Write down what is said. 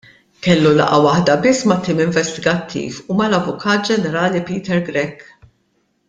Kellu laqgħa waħda biss mat-tim investigattiv u mal-Avukat Ġenerali Peter Grech.